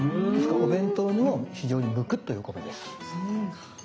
お弁当にも非常に向くということです。